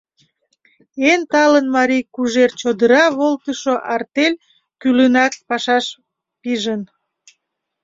Эн талын Марий Кужер чодыра волтышо артель кӱлынак пашаш пижын.